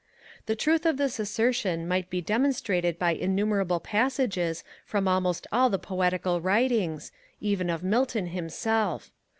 The truth of this assertion might be demonstrated by innumerable passages from almost all the poetical writings, even of Milton himself.